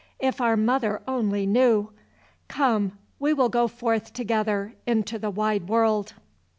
If our mother only knew! Come, we will go forth together into the wide world."